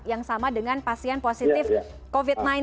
yang sama dengan pasien positif covid sembilan belas